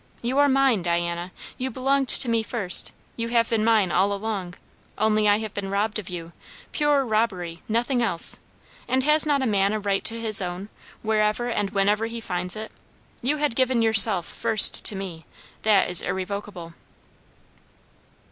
"You are mine, Diana you belonged to me first, you have been mine all along; only I have been robbed of you; pure robbery; nothing else. And has not a man a right to his own, wherever and whenever he finds it? You had given yourself first to me. That is irrevocable."